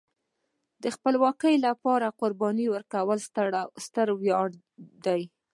د خپلواکۍ لپاره قرباني ورکول ستر ویاړ دی.